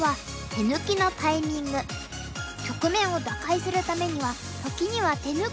局面を打開するためには時には手抜くのも大切です。